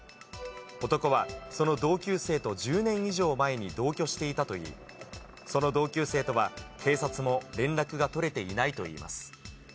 男はその同級生と１０年以上前に同居していたといい、その同級生とは警察も連絡が取れていないといいます。